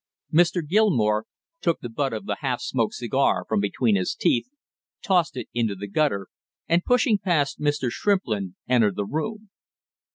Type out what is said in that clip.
Mr. Gilmore took the butt of the half smoked cigar from between his teeth, tossed it into the gutter, and pushing past Mr. Shrimplin entered the room.